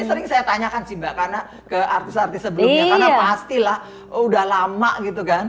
sering saya tanyakan sih mbak karena ke artis artis sebelumnya karena pastilah udah lama gitu kan